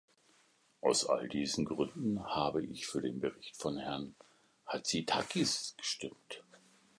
Aus all diesen Gründen habe ich für den Bericht von Herrn Hatzidakis gestimmt.